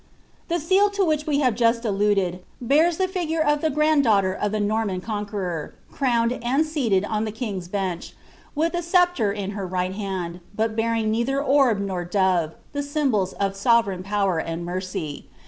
Tiie seel to which we have just alluded bears the ligurc of the fmBil daughter of Uie Norman conqueror, crowned and seated on tJie Kinn^ Bench, with a sceptre in her riglit hand, but bearing neitli«r orb nor duve, the symbols of sovereign power and mercy.